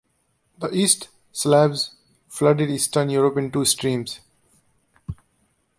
The East Slavs flooded Eastern Europe in two streams.